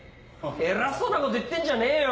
偉そうなこと言ってんじゃねえよ。